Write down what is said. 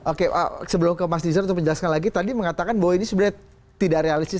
oke sebelum ke mas nizar untuk menjelaskan lagi tadi mengatakan bahwa ini sebenarnya tidak realistis